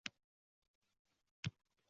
Sodiqda bosh miya saratoni aniqlandi